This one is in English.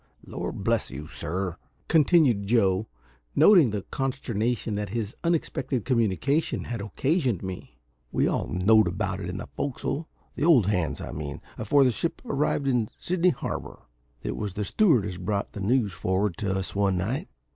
Lor' bless you, sir," continued Joe, noting the consternation that his unexpected communication had occasioned me, "we all knowed about it in the fo'c's'le the old hands, I mean afore the ship arrived in Sydney Harbour. It was the steward as brought the news for'ard to us one night.